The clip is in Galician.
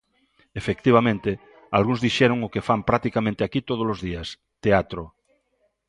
Efectivamente, algúns dixeron o que fan practicamente aquí todos os días: teatro.